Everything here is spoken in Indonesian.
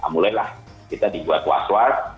mulailah kita dibuat waswat